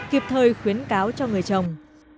kịp thời khuyến cáo cho người trồng